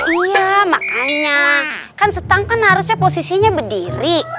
iya makanya kan setang kan harusnya posisinya berdiri